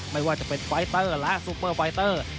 ไม่ว่าจะเป็นไฟเตอร์และซูเปอร์ไฟเตอร์